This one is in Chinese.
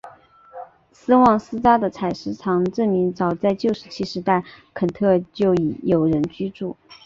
斯旺斯扎的采石场证明早在旧石器时代肯特就已有人居住。